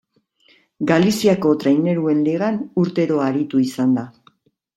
Galiziako Traineruen Ligan urtero aritu izan da.